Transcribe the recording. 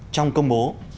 trong công bố